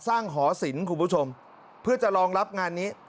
สร้างหอสินครับคุณผู้ชมเพื่อจะร้องรับงานนี้